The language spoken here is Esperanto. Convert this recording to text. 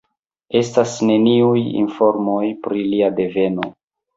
Estas neniuj informoj pri lia deveno.